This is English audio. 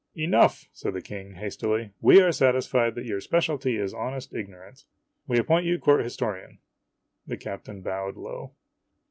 "Enough," said the King, hastily; "we are satisfied that your specialty is honest ignorance. We appoint you Court Historian." The captain bowed low.